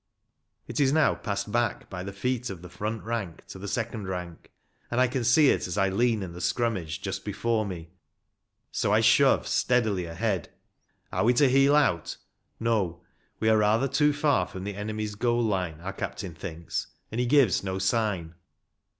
It is now passed back by the feet of the front rank to the second rank, and I can see it as I lean in the scrummage just before me ; so I shove steadily ahead. Are we to heel out ? No ; we are rather too far from the enemy's goal line, our captain thinks, and he gives no sign.